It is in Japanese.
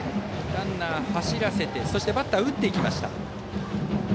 ランナー、走らせてバッターは打っていきました。